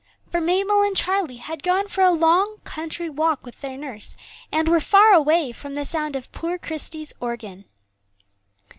For Mabel and Charlie had gone for a long country walk with their nurse, and were far away from the sound of poor Christie's organ.